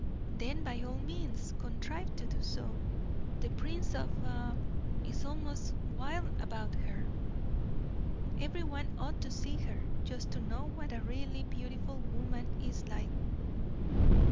"Then, by all means, contrive to do so. The Prince of B is almost wild about her. Every one ought to see her, just to know what a really beautiful woman is like."